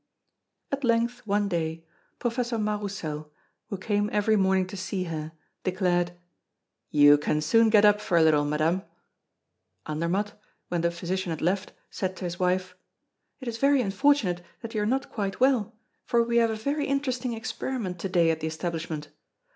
At length, one day, Professor Mas Roussel, who came every morning to see her, declared: "You can soon get up for a little, Madame." Andermatt, when the physician had left, said to his wife: "It is very unfortunate that you are not quite well, for we have a very interesting experiment to day at the establishment.